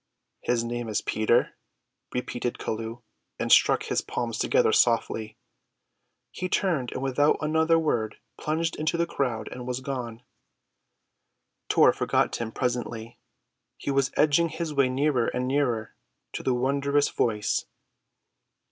"His name is Peter," repeated Chelluh, and struck his palms together softly. He turned and without another word plunged into the crowd and was gone. Tor forgot him presently. He was edging his way nearer and nearer to the wondrous Voice.